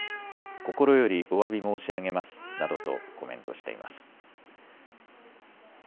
心よりおわび申し上げますなどとコメントしています。